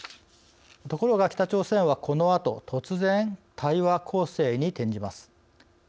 ところが北朝鮮はこのあと突然、対話攻勢に転じます。